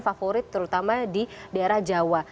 favorit terutama di daerah jawa